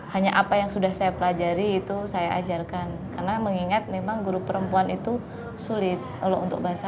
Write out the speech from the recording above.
hanya apa yang sudah saya pelajari itu saya ajarkan karena mengingat memang guru perempuan itu sulit kalau untuk bahasa